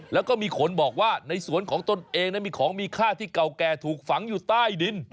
แล้วก็มีคนบอกว่าในสวนของตนเองมีของมีค่าที่เก่าแก่ถูกฝังอยู่ใต้ดิน